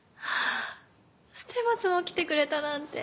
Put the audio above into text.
捨松も来てくれたなんて。